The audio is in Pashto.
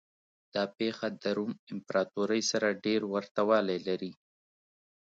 دا پېښه د روم امپراتورۍ سره ډېر ورته والی لري.